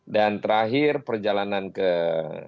dan terakhir perjalanan ke spanyol